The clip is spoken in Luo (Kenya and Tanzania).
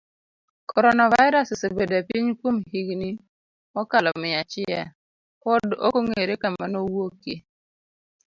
corona virus osebedo epiny kuom higini mokalo mia achiel, pod okong'ere kama neowuokie,